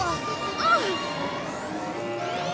うん。